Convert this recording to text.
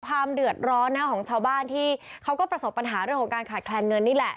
ความเดือดร้อนนะของชาวบ้านที่เขาก็ประสบปัญหาเรื่องของการขาดแคลนเงินนี่แหละ